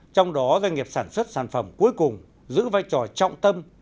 trong đó doanh nghiệp sản xuất sản phẩm cuối cùng giữ vai trò trọng tâm